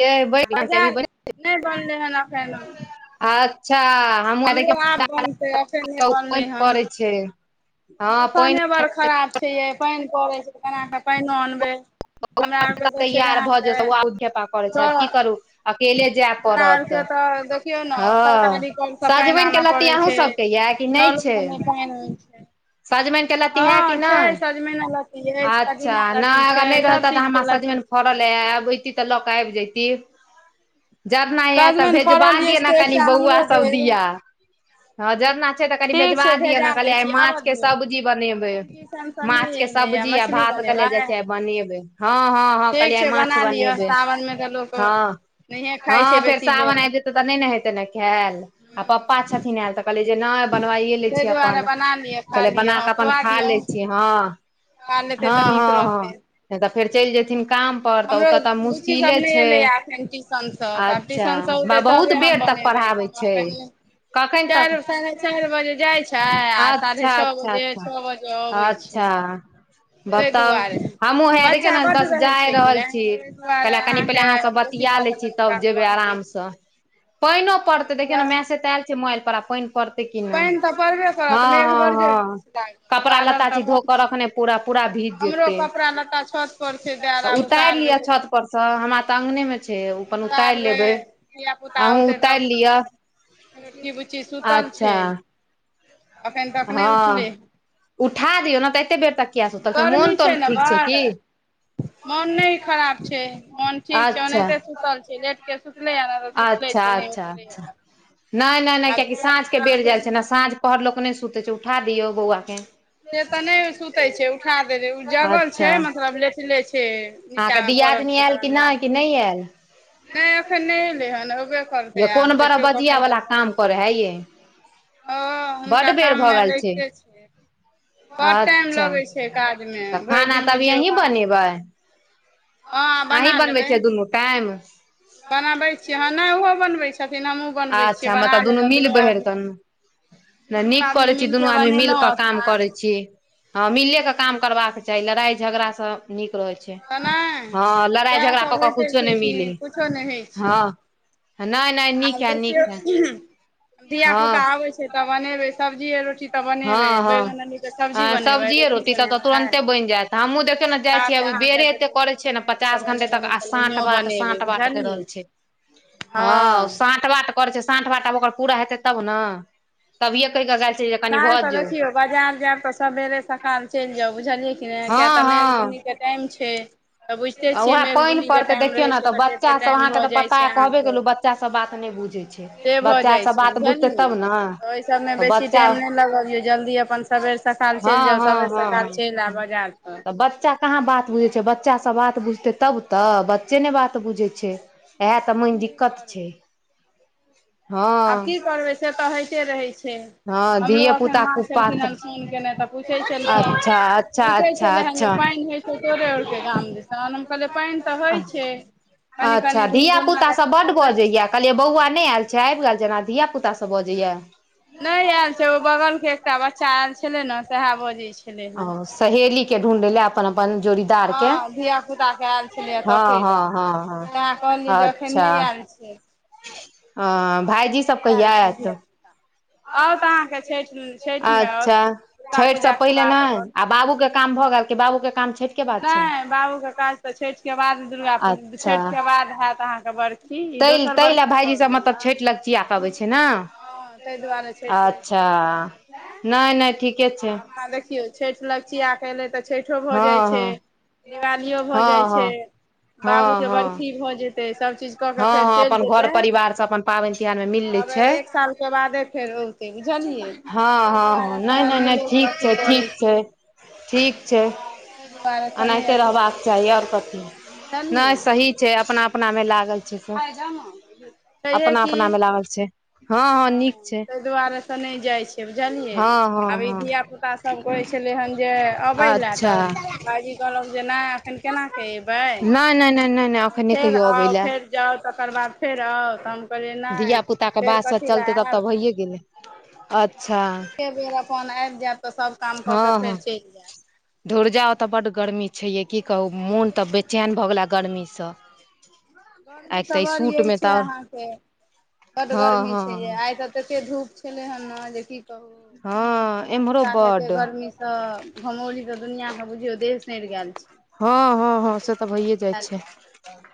ए बजार नय बनलै हन अखैन अच्छऽ हमहु हैया आब बनतै एखन नहि देखियौ बनलै [unintelligible] हन परै छै। हँ पानि मौसमे बड़ खराब छैै पाइन पड़ै छै तऽ केन कऽ पाइनो अनबै हमरा आरके जे छै तैयार भऽ जेतै ओ अहाँकेँ आब खेपा करै छै आब तऽ की करू अकेले जाय हमरा पड़त आरकेँ तऽ देखियौ नऽ हँ सरकारी कलसँ पाइन सजमनि के आनऽ लत्ती पड़ै अहूँ छै सबके ये कि नहि नलक छै नइ डाइन होय छै। सजमनि के लत्ती है कि हँ छै। नहि सजमना लत्ती अछि अच्छा कदीमा लत्ती छै। सभ चीजके लत्ती छै फरल हैं आबअती तऽ लऽ क आबि जायती। जरना यऽ तऽ सजमनि फड़ल भेजबा दिअ अछि ने तऽ कनि एकटा बौआ हमरो सभ देब दिया हं जरना छै तऽ कनि ठीक भेजबा छै दिअ भेजा ने दै कनि आइ छी माछ आबऽ के दियौ सब्जी बनेबे एखन किसान सब नहि माछ केँ एलैए सब्जी आ मछली भात कहलिये कि जाय बनेबै छिये बनेबे हँ हँ हँ कहलिए ठीक आइ छै माछ बना लिअ बनेबै सावनमे तऽ लोक हँ नहिए खाइ छै हँ फेर बेसी लोक सावन आयब जते तऽ नहि ने हेतै ने खायल आ पप्पा हूँ छथिन आयल तऽ कहलियै जे नहि बनवाइए लै ताहि छिय दुआरे अपन बना लिअ खा कहले लिअ बना हँ कऽ अपन खुआ खा दियौ लै छी हँ खा लेतै हँ तऽ नीक हँ हँ। रहतै तऽ फेर चलि जेयथिन काम पर तऽ हमरो ओतऽ तऽ रुची मुश्किले सब नहि छै एलैए एखन ट्यूशनसँ तऽ आब अच्छा ट्यूशनसँ औतै बहुत तबे हम बेर तक बनेबै। पढ़ाबै छै कखन तक चारि साढ़े चारि बजे जाइत छै। आ साढ़े अच्छा छओ अच्छा बजे छओ बजे अच्छा अबै अच्छा। छी ताहि बताउ दुआरे हमहु है। देखे बच्चा ने बड्ड बस रहै जाय। छै कि रहल ने छी ताहि दुआरे कहल कनि पहिले अहाँके अहाँ सब बेसी बतिया काल ले छी तब कनिकाल जेबे पढ़बै छै आरामसँ। पानो पड़तै हँ देखियौ ने जाउ मैसेज तऽ आयल छै मोबाइल पर आब पानि पड़तै कि नय पानि तऽ पड़बे करत हँ मेघ हँ बड़ जोर हँ छै लागल कपड़ा बादल लत्ता तऽ छी बड़ धोेऽ रखने छै पूरा पूरा भीज हमरो जेते कपड़ा लत्ता छत पर छै दैल आब उतारि उतारबै लिअ देखियौ छत परसँ हमरा तऽ अङ्गनेमे छै ओ अपन उतारि उतारबै लेबै धिया पुता अहूँ औतै तब उतारि ने लिअ छोटकी बुच्ची सुतल अच्छा छै एखन तक नहि उठलै हँ उठा दिऔ ने तऽ एते बेर तक किया सुतल छै - गर्मी मोन तोन ने ठीक छै की बड़ मोन नय खराब छै मोन ठीक छै अच्छा ओनाहिते सुतल छै लेट के सुतले सुतलै या नहि तऽ अच्छा छै नहि अच्छा उठलै अच्छा या नय नय नय आब कियकि धिया साँझ के पुता बेर रहतै जाय छै ने सुतल साँझ पहर लोक नय सुते छै उठा दियौ बौआ केँ से तऽ नहि सुतै छै उठा देली ओ जगल छै अच्छा मतलब लेटले छै अहाँके नीचाँमे पड़ल दियादनी छै आयल कि बरंडा नय कि नय आयल नहि एखन नहि एलै हन ओ यै कोन बड़ा बजिया वला काम करे है ये हँ बड्ड हुनका बेर भऽ काममे गेल छै लगिते बड़ टाइम अच्छा लगै छै काजमे तऽ भरि खाना दिन तब बुझियौ अहीं काज बनेबै हँ बना अहीं बनबे लेबै छिए दुनू टाइम बनाबै छियै हं नय ओहो बनबै छथिन हमहूँ बनबै छियै अच्छा बना मतलब दुनू लेलहुँ मिल बहैर आदमी केँ नहि दुनू निक आदमी करै छी दुनू मिलके आदमी मिल बनेलहुँ केँ काम अपना करै छी हँ मिलेके काम हूँ करबाक चाही लड़ाई झगड़ा सऽ निक रहे छै तऽ नहि हँ लड़ाई सएह झगड़ा सभ कऽ कऽ होइते कुछो छै नय कि मिले किछो नहि होइ छै हय हँ ह नय नय आब दखियो धियि पुता हँ आबे छै तऽ बनेबे सब्जीे रोटी तऽ बनेबे हँ हँ बैगन आलू सब्जी आ बनेबै सब्जिए रोटी तब तऽ बनेबै तुरन्ते बनि जायत हमहूँ देखियौ ने जाइ छियै भात अभी अहाँके बेरे एते देखे करै छिये छियै ने बनेबै तऽ पचास घंटे बनेबै तक नहि आ तऽ साँठ नहियो बाट बनेबै साँठ बाट करि बुझलियै रहल छै हँ साँठ बाँठ करे छै साँठ बाँठ आब ओकर पूरा हेते तब ने तभिये कहि के गा [unintelligible] नहि तऽ देखियौ बाजार जायब तऽ सबेरे सकाल चलि जाउ बुझलियै की नय हँ किया तऽ हँ मेघबुन्नीकेँ टाइम छै तऽ बुझिते आ छियै उएह पानि मेघबुन्नीकेँ पड़तै टाइम देखियौ रहै ने छै तऽ कते बच्चासभ टाइम अहाँके भऽ तऽ जाइ पता छै यए अहाँ कहबे केँ केलहुँ बच्चासभ बात नहि बुझै छै [inaudible] से भऽ जाइ बच्चासभ छै बात बुझतै बुझलियै तब ने ओइ सब तऽ में बेसी बच्चा टाइम नै लगबियौ जल्दी अपन सबेर सकाल चैल हँ जाउ हँ सबेर हँ हँ सकाल चैल आ बजार स तऽ बच्चा कहाँ बात बुझै छै बच्चा सब बात बुझतै तब तऽ बच्चे नै बात बुझै छै ऐहाँ तऽ आब मेन की दिक्कत छै करबै [inaudible] आब की करबै से तऽ हइते रहै छै हँ हमरो धिय एखन पुता माँ छलखिन कुपात्र हन फोन केने तऽ पूछै अच्छा छलखिन अच्छा पूछै अच्छा छलै हे जे पाइन अच्छा होइत छौ तोरे अर केँ गाम दिसन हम कहलिए पाइन तऽ होइ छै कनि अच्छा कनि धिया गुनगुना पुता सब जकाँ बड पड़ै बजै छै या कहलियै बौआ नै एल छै आइब गेल जेना धिया पुता सब बजै या नै ऐल छै ओ बगल केँ एकटा बच्चा ऐल छलै न सेहै बजै छै ओ सहेली केँ ढूँढै ले अपन अपन जोड़ी तार केँ हँ धियापुताके आयल छलैए तकय लए तैँ कहलियै जे एखन नहि आयल छै [unintelligible] [unintelligible] एखन भाईजी सब नहि कहिया आयल छै आयत धियापुता आउ तऽ अहाँके छठि [unintelligible] छठिमे आउ अच्छा दुर्गा छैठ स पूजाके पहिले नै बाद आउ आ बाबू केँ काम भऽ गेल की बाबू केँ काम छैठ नै बाबू केँ काज तऽ छैठ केँ बाद दुर्गा पूजा अच्छा छैठ केँ बाद हैत अहाँ केँ बरखि तै तै लऽ भाईजी सब मतलब छैठ लगचिया कऽ अबै छै न हँ तैय दुआरे छैठ लगचिया कऽ अबै छै नहि नहि ठीके छै आब ता देखियौ छैठ लगचिया कऽ एले तऽ छैठो भऽ हँ जाइ छै हँ दिवालियो भऽ हँ जाइ छै हँ बाबू हँ केँ हँ बर्खी भऽ जे ते सब चीज हँ हँ अपन घर परिवार स अपन पाबैन तिहार में मिल लै छै ओइ केँ बादे फेर औते बुझलियै हँ तैय हँ दुआरे हँ से नहि नहि नै नहि लोक ठीक छै अथी ठीक करै छै ठीक छै हँ ताहि [inaudible] दुआरेसँ नहि अनाहिते अथी रहबाक करै चाही छै और कथी नै बुझलियै स ठीक छै अपना अपना में लागल छै सब छैहे अपना की अपना में लागल छै हँ नीक हँ छै तै दुआरे से नै जाइ छियै बुझलियै हँ हँ आब ई हँ धिया पुता स सब कहै छलै हन जे अबै लै अच्छा तब भाईजी कहलक जे नै अखैन केना केँ एब बै नहि नहि नहि नहि नहि एखन [inaudible] नहि फेर कहियो अबै आउ लए फेर जाउ तकर बाद फेर आउ तहन धिया पुता कऽ बात स चलतै तब तऽ भइए गेलै [inaudible] अच्छा एक बेर अपन आइब जैब तऽ सब हँ हऽ धुर जाउ ओ तऽ बड्ड गर्मी छै यै की कहू मोन तऽ बेचैन भऽ गेल है गर्मी स [inaudible] गर्मी तऽ बड़ यै मे छै तऽ आओर अहाँकेँ [inaudible] बड हँ गर्मी छै यै हँ आइ त तते धूप छलै हन न जे की कहू [inaudible] हँ धिया एम्हरो पुता केँ एते बड्ड गर्मी तऽ घमौरी सऽ दुनिया कऽ बुझियौ देह सैर गेल छै हऽ हऽ हऽ से ततेक तऽ भैए घमौरी जाइ भेल छै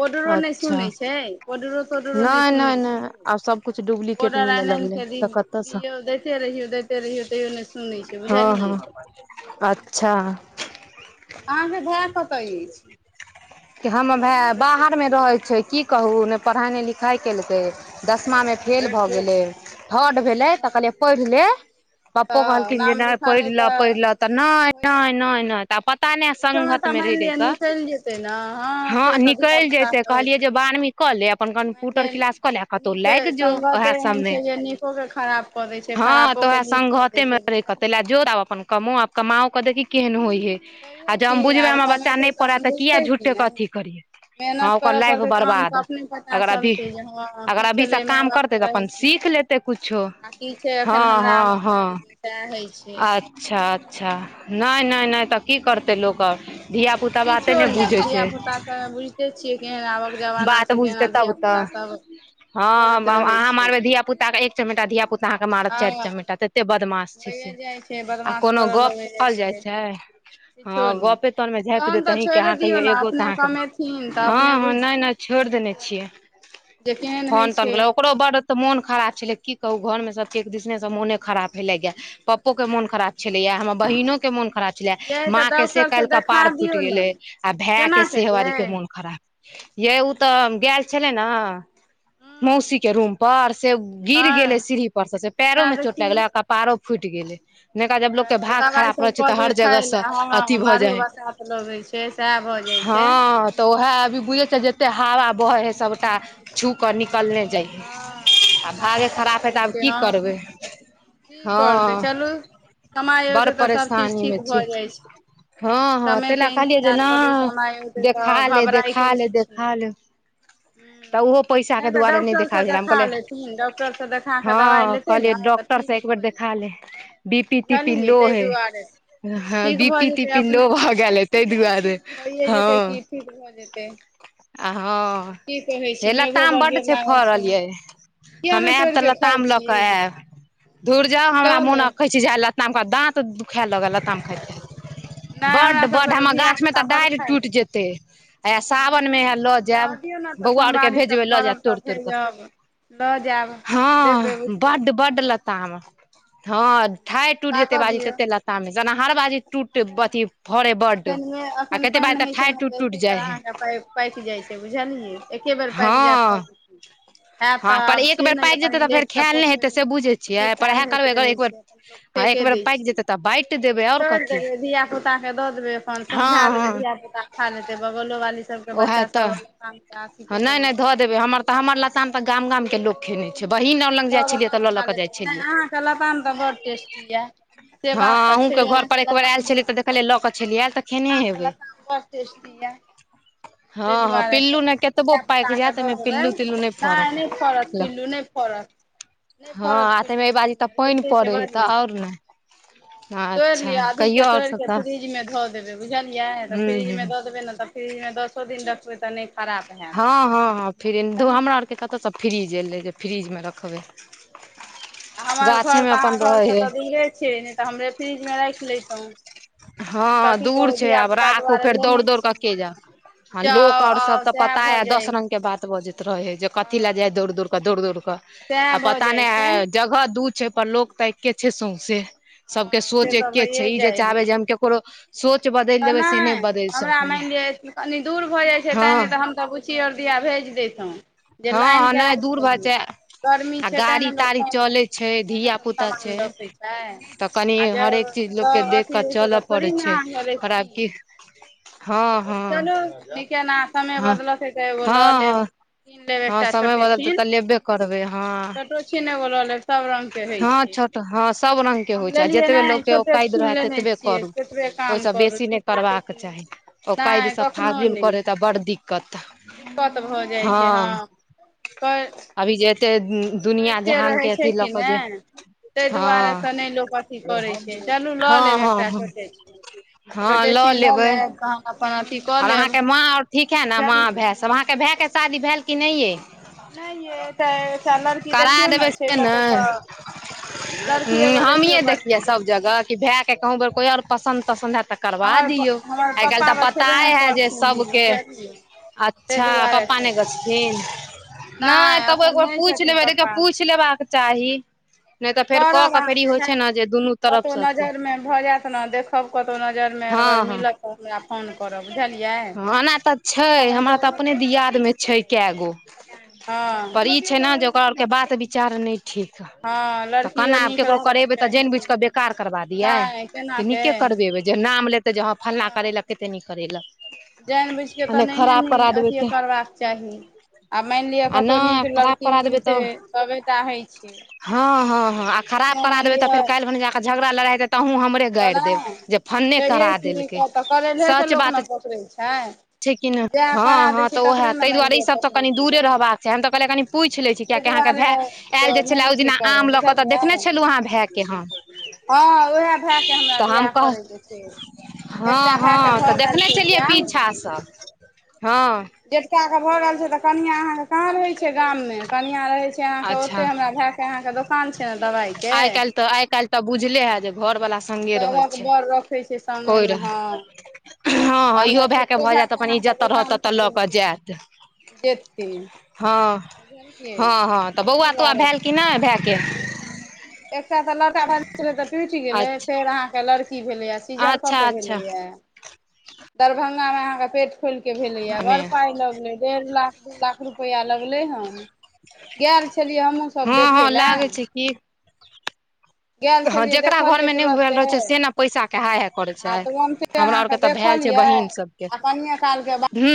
पाउडरो नहि अच्छा सुनै छै पाउडरो [inaudible] ताउडरो नै नहि नै सुनै नै छै आब सबकुछ डुप्लिकेट ऑर्डर मिलऽ आनि लगलै आनिकऽ दि तऽ कत दियौ दैते रहियौ दैते रहियौ तैयो नै सुनै छै हँ हँ बुझलियै अच्छा अहाँ केँ भाय कतऽ ऐछ हमर भै बाहर में रहै छै की कहू नै पड़हाइ नै लिखाइ केलकै दशमा में फेल भऽ अच्छा गेलै थर्ड भेलै तऽ हँ कहलियै पैड़ ले पप्पो तऽ कहलखिन जे नाम नय लिखा पैढ़ ले लऽ कऽ पैढ़ लऽ तऽ नय - भइए नय, नय - जेतै नय तऽ प ता नय संघत मे रैह - रैह कऽ तैँ नऽ हँ निकैल जैते कहलियै जे बानवी कऽ ले अपन मानि कम्प्यूटर लिअ किलास कऽ ले आ कतो नीक लाइग जो संगते ओहै एहन सबमे छै जे नीकोके खराब कऽ दै छै हँ तऽ खरापोके ओहै नीक कऽ दै संघते छै मऽ रहि कऽ तैय ला बुझलियै जोड़ आब अपन कमो आब कमाओ कऽ देखही केहन होई हइ आ छैहे जौ कि हम बुझबै आब हमर बच्चा कमेतै नय पढ़ै तहन तऽ किया बुझतै कि झूठे कऽ ने अथी करियै हँ मेहनत ओकर करऽ लाइफ पड़तै तहन तऽ बर्बाद अपने पता अगर अभी चलतै जे हँ अगर की अभीसँ छलै माय काम करते बापके तऽ अपन सीख रहस्यमे ले तै कुछो आ की छै हँ एखन हमरा हँ हँ आमदारीमे सएह होइ छै अ च्छऽ अच्छऽ नय नय नय तऽ की करतै लोक आओर धियापुता बाते नय बुझै छै धिया पुता सब बुझिते छियै केहन आबक जमाना बात छै बुझतै केना तब धिया पुता तऽ सब हँ आब अहाँ मारबै धिया पुता एक चमेटा धिया पु ताअहाँ कऽ मारत चाइर हँ चमेटा तते बदमाश छै से होइए जाइ छै आ बदमाश कोनो करय गप लगै कहल जाइ छै हँ किछो नहि गपे तोन मे झाँपि तहन देत तऽ आही केँ छोड़ि अहाँ दियौ कहियो ए ने गो तऽ अपने अहाँ कऽ कमेथिन तऽ हँ अपने हँ नय - नय बुझथिन छोइड़ देने बुझतै छियै जे केहन फोन होइ तोन छै केलक ओकरो बड्ड तऽ मोन खराब छलै की कहू घरमे सब केँ एक दिसनेसँ मोने खराब भेलै गेय पपो केँ मोन खराब छलैय हमर बहिनो केँ मोन खराब छलै यै माँ तऽ केँ से काइल डॉक्टरसँ कपार देखा फुटि दियौ ने गेलै आ भैय केना केलियै मोन खराब यै उ तऽ हँ गैल छेलै नऽ मौसी केँ रूम पर से गिर गेले सीढ़ी पर सँ से पैरो सएह मे चोट लाइग देखियौ गेलै आ क पारो फूटि गेलै नैका जब लोक हँ केँ तऽ भाग दबाइ खराब रहै सब छै तऽ कहबै हर जगह सँ अथी भऽ जाय है [unintelligible] केँ सेहा ब हँ तऽ वैहै अभी बुझै छ जते हवा बहै हइ सभटा छू कऽ निकलने जाइ हँ आ भागे खराब हइ होइ तऽ आब छै की हँ करबै की हँ करतै चलू समय बड़ औतै तऽ सभचीज ठीक परेशानीमे छी भऽ जाइ छै हँ हँ तै समयके लऽ कहलियै जे इन्तजार नय करू समय औतै देखा तऽ ले देखा घबरायके ले नहि छै देखा ले तऽ हूँ ओहो पैसा नहि केँ तऽ दुआारे नय दे डॉक्टरसँ खाबै हम देखा लेथिन डॉक्टरसँ देखा कदलिये कऽ दबाइ हँ लेतै कले ने तऽ डॉकटर सँ ठीक एक बेार भऽ देखा जेतै ले बी पी ती पी बुझलियै लो ताहि हइ दुआरे हँ ठीक बी भऽ पी जेतै तीपी लो अपने भऽ ठीक गेल है तैय दुआरे होइए जेतै हँ कि ठीक भऽ जेतै आ हँ आब की कहै छी हे मेघो लताम बड बड्ड जोर छै फ लागल रल यै किया हम नहि ऐब तोड़ि तऽ कऽ खाइ लताम लै छी कऽ ऐब धुर जाउ हमरा लऽ मोन लेब अकैछ चिझा लताम कऽ दाँत दुखै लगल लताम खाइत खाइत [inaudible] बड्ड बड्ड सभके तऽ हमर गाछमे तऽ धियापुता बड़ डाइढ़ खाइ टूइट छै जेतै हैया सावनमे हूँ लऽ रहऽ जैब दियौ ने तऽ बौआ आरकेँ सोमवारी सब भेजबै लऽ जैत करब तोइड़ तऽ तोड़ कऽ भेजब लऽ जायब देबै हँ बुच्ची बड्ड आरके बड्ड भेजब तऽ लताम हँ ठाइर टुइट जेतै एय पाकऽ बाजि दियौ तेते लताम एय जना हारबाजी टूट एखन अथी फरै बड्ड एखनमे आ एखन कते बार तऽ ठाइर टूट टूट जाइ हय पाइक जाइ छै बुझलियै एके बेर पाइक हँ जैत हँ पर एक बेर पाइक जेतै तऽ फेर लेटसँ खाएल नय पकै हइ हेतै से बुझै छियै नहि पर खायल एहै होइत करबै अगर रहै एक छै बेर अपन लोक हँ एकबेर पाइक जेतै तऽ बांट देबै ओर छौयर देबै धियापुता के दऽ देबै अपन हँ समझा देबै हँ धियापुता खा लेतै बगलोवाली सबके बच्चा सब हम तऽ आसिके रहै छी कऽ देबै हमर तऽ हमर लताम तऽ गाम गामके लोक खेने छै बहीन लग जाइ सभ छलियै अपन तऽ लऽ लऽ खा कऽ जाइ लेतै नहि छलियै अहाँके लताम तऽ बड टेस्टी या से हँ बात तऽ छै अहूँके घर पर अहाँके एक बेर लताम आयल छलियै बड तऽ देखलियै टेस्टी लऽ कऽ यऽ छलियै आयल तऽ खेने अहाँके हेबै लताम बड टेस्टीया तैय हँ हँ पिल्लू दुआरेसँ ने केतबो धियापुता पाकि के जायत दऽ एहिमे देबै पिल्लू तिल्लू नहि फड़त नय नय फड़त ल पिल्लू नय फड़त नहि हँ फड़त आ पिल्लू त‌इमे ऐ बाजी अहाँमे तऽ पाइन पड़े हय तऽ ओर ने तोयड़ अच्छा लिय‌अ अधीक के कहियौ आओर तोयड़ सब के तऽ फ्रिज में ध देबै बुझलियै तऽ ह्म फ्रिजमे ह्म दऽ देबै ने तऽ फ्रिजमे दसो दिन रखबै तऽ नय हँ हँ हँ फिरिंद धू हमरा आर के कतयसँ फ्रीज एयलै जे फ्रीजमे रखबै आ हमर घर गाछेमे तऽ अहाँ अपन रहै घरसँ हइ तऽ दरे छियै नय तऽ हम रे फ्रिजमे राख लैतो हँ दूर छै आब राखू दुआरे फेर दौड़ लेने दौड़ कऽ के छियै जाउ ह लोक जाउ और सब आउ तऽ सएह पता भऽ है दस जाइ रंग के बात बजैत रहे है जे कथी ले हँ जाय दौर दौर दौर दौर कऽ सएह आ भऽ पता जाइ नय छै है जगह दू छै पर लोकोग तऽ एके छै सौउसे सबके हँ से सोच तऽ एके छै भइए इ जे चाहबे जे हम केकरो सोच बादेल तऽ नय हमरा मान लिअ कनी दूर भऽ जाइ छै तै हँ नय तऽ हम त ची आर दिया भेज देथौ जे लएन हँ के नहि राख दूर दे भऽ ही जाय गर्मी आ छै तै गाड़ी ने लोक ताड़ी पान [inaudible] चलै छै तै ने धिया लोक पुता समान छै रखै छै तऽ कनि आ हरेक चीज जब लोकके देख अथी कऽ रहे छै चलऽ तऽ पड़ै थोड़ी ने छै [inaudible] पर आब रैखतीही की हँ हँ चलू निकेना समय हँ बदलते तऽ एगो लऽ हँ हँ लेब कीन लेब हँ एकटा समय छोटे बदलते छीन तऽ लेबे करबै हँ छोटो छीन एगो लऽ लेब सभ रङ्गके होइ हँ छै छ हँ सब रंग के हम होइ छै आ लेलियै जतबे नहि लोकके छोटे औकद छीन रहे लेने ततबे छियै करू ततबे काम ओहिसँ करू बेसी नय ठीक होइ छै करबाक कि नहि चाही ओकैद नहि सँ कखनो फाजूल नहि करे तऽ बड़ दिक्कत दिक्कत भऽ जाइ छै हँ कए अभी जे एते दुनिया जहान के छै अथी लऽ कि के जे नहि ताहि दुआरे हँ सँ नहि लोक अथी करै छै चलू लऽ हँ लेब हँ एकटा हँ छोटे छिन हँ छोटे लऽ छिन लेबै लेब तहन अपन अथी कऽ ओर लेब अहाँके माँ आर ठीक है नै माँ बुझलियै भाय सब अहाँके भाय के शादी भेल कि नएये नय ये तऽ सेए लड़की देखियौ ने छै कतहु तऽ लड़की ह एगो देखियौ हमीे देखियै बढ़िआँ सभ कनि जगह नीक कि भाय क कहूँ बेर कोइ ओर पसन्द तसन्द हैत तऽ करबा हमर दियौ हमर आइ काल्ह पप्पा तऽ बस पता छेबे नहि है जे करथिन सबके बुझलियै ताहि अच्छा प दुआरे पा सँ नय गछथीन नय नहि तबो एखन एक बेर नहि पूछ छथिन लेबै पप्पा पूछ लेबाक चाही नय तऽ फेर कऽ करब केऽ फेर ई अहाँके होइ छै हैत ने जे दुनू तरफ कतहु सँ अथी नजरिमे भऽ जायत ने देखब कतहु नजरिमे हँ अगर हँ मिलत तऽ हमरा फोन करब बुझलियै ओना तऽ छै फोन हमरा तऽ करब अपने दिय एखन द मे अथी छै करब कए गो हँ पर ई छै ने जे ओकरा आर के बात विचार नय ठीक ह हँ तऽ केना लड़कियो आब नीक केकरो रहबाक करेबे तऽ चाही जाइन बुझ कऽ कार करबा दिय नहि कि केनाके नीके करबेबै जे नाम लेते जे हँ फल्ना करेलक कते नीक करेलक जैन बिछिके आ तऽ नहि नहिये है खराब न करा देबै अथि तऽ करबा चाही आ माइन लिअ आ कतहु नहि नीक खराब लड़की करा देबै मिलतै तऽ तबेटा होैत छै हँ हँ हँ आ खराब कखनो करा मानि देबै तऽ फेर लिअ काल्ह भने कऽ झगड़ा लड़ा हतै तहूँ हमरे तऽ गड़ि देब नहि जे फन्ने छैहे करा कि नहि देलकै कऽ तऽ करैलहेके सच लोक बात ने पकड़ै छै छै कि नहि जएह करा हँ दै हँ छै तऽ ओह तकरे ने मानि ताहिआरे ई लिअ सब तऽ पकड़ै कनि छै दूरे लोक ताहि रहबाक छै हम तऽ कहले कनि पूछि लै छी कियि अहाँके दुआरे भाय से आयल जे नहि छले ओहि अथी दिना करब आम लऽ क तऽ बुझलियै देखने छलहु अहाँ भाय के हम हँ उएह भए कऽ हमरा तऽ हम बियाह कह करैके छै हँ एकटा भायके हँ तऽ भऽ गेल देखने छै छलियै बियाह पीछा सब हँ एक्टा के भऽ गेल छै तऽ कनिआँ अहाँके कहाँ रहय छै गाम मे कनिया रहय छै अहाँ के अच्छा ओते हमरा भाय के अहाँ के दोकान छै ने दवाई आइ काल्हि तऽ आई काल्हि तऽ बुझले हे जे घर बला सभक़ बर रखै छै संगे मे हँ रहै हँ हँ हमरा इहो भए कऽ छोटके भऽ जायत भायके अपन अहाँके इजतऽ रहत दोकान ततऽ लऽ कऽ देलकै जायत जेतै हँ बुझलियै हँ हँ तऽ ताहि बौआ तौआ दुआरे भेल कि से नहि भायके एकटा तऽ लड़का छले तऽ टूटि गेले अच्छा फेर अहाँ के लड़की भेले य सीजर कऽ अच्छा के अच्छा भेलैया दरभंगामे अहाँके पेट खोल केे भेलैया बड़ हमे पाइ लगलै डेढ़ लाख दू लाख रुपैआ लगलै हन गेल छलियै हमहहुँसभ हँ हँ देखय लए लागै छै कि गेल हँ छलियै जकरा देखलियै घरमे नहि हुएल तुरते रहैत छै से ने पैसाे हाइे करै आ छै तुरन्ते हमरा आर के अहाँके तऽ भेल छै देखलियै बहिन सबके आ कनिए कालके बाद हुँ